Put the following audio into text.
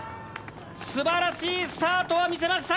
素晴らしいスタートは見せました！